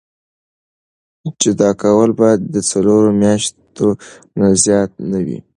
جدا کول باید د څلورو میاشتو نه زیات نه وي.